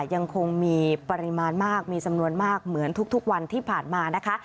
ยังคงมีปริมาณมากมีจำนวนมากเหมือนทุกวันที่ผ่านมานะคะ